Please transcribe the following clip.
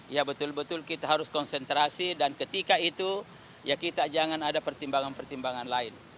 ya betul betul kita harus konsentrasi dan ketika itu ya kita jangan ada pertimbangan pertimbangan lain